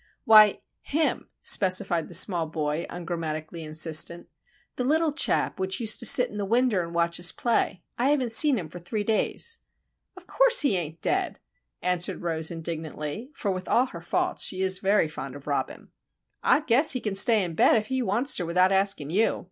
"Why, him," specified the small boy, ungrammatically insistent. "The little chap which used to sit in the winder and watch us play. I haven't seen him for three days." "Of course he ain't dead," answered Rose, indignantly, for, with all her faults, she is very fond of Robin. "Ah guess he can stay in bed if he wan'ster without askin' you!